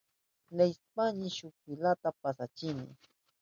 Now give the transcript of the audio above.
Leyishpayni shuk filata pasashkani.